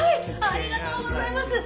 ありがとうございます！